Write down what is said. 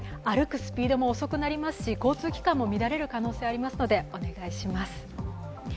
歩くスピードも遅くなりますし、交通機関も乱れる可能性がありますのでお願いします。